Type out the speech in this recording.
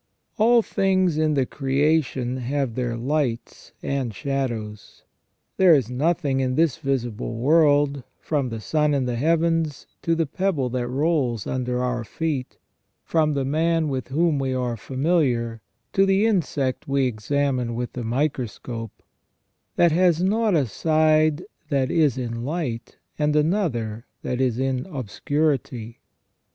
All things in the creation have their lights and shadows. There is nothing in this visible world, from the sun in the heavens to the pebble that rolls under our feet ; from the man with whom we are familiar to the insect we examine with the microscope, that has not a side that is in light and another that is in obscurity.